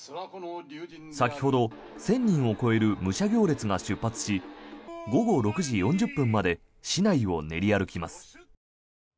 先ほど、１０００人を超える武者行列が出発し午後６時４０分まで市内を練り歩きます。